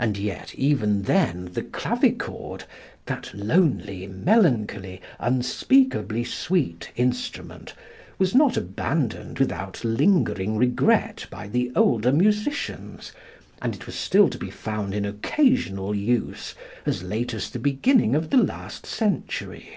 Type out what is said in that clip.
And yet even then the clavichord, "that lonely, melancholy, unspeakably sweet instrument," was not abandoned without lingering regret by the older musicians, and it still was to be found in occasional use as late as the beginning of the last century.